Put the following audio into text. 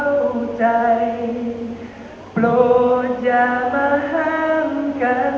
ขอบคุณทุกคนมากครับที่รักโจมตีที่ทุกคนรัก